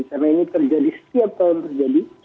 karena ini terjadi setiap tahun terjadi